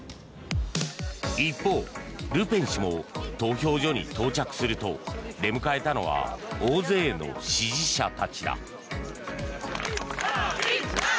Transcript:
一方、ルペン氏も投票所に到着すると出迎えたのは大勢の支持者たちだ。